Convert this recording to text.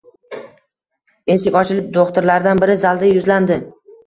Eshik ochilib, do’xtirlardan biri zalda yuzlandi.